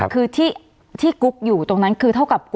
คือที่กุ๊กอยู่ตรงนั้นคือ